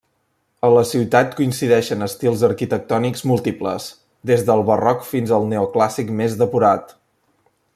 A la ciutat coincideixen estils arquitectònics múltiples, des del barroc fins al neoclàssic més depurat.